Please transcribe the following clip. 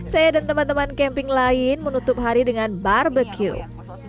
saya dan teman teman camping lain menutup hari dengan barbecue